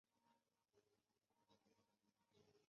大邱红螯蛛为管巢蛛科红螯蛛属的动物。